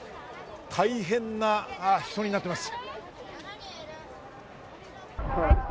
大変な人になっています。